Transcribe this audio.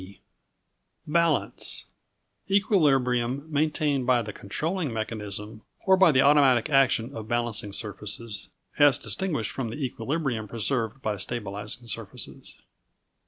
B Balance Equilibrium maintained by the controlling mechanism, or by the automatic action of balancing surfaces as distinguished from the equilibrium preserved by stabilizing surfaces.